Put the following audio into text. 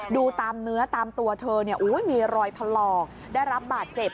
ดูตามเนื้อตามตัวเธอมีรอยถลอกได้รับบาดเจ็บ